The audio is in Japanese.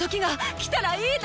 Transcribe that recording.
来たらいいな！